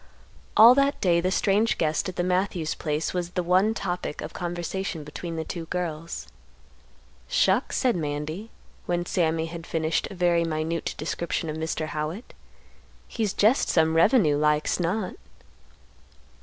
All that day the strange guest at the Matthews place was the one topic of conversation between the two girls. "Shucks," said Mandy, when Sammy had finished a very minute description of Mr. Howitt; "he's jest some revenue, like's not."